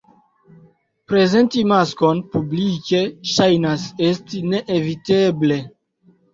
Prezenti maskon publike ŝajnas esti neeviteble.